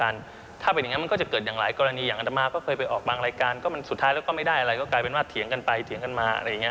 นาง่ายเป็นว่าเถียงกันไปเถียงกันมา